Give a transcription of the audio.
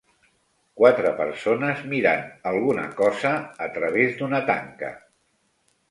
Quatre persones mirant alguna cosa a través d'una tanca.